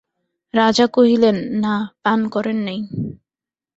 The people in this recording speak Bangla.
রাজা কহিলেন, না, পান করেন নাই।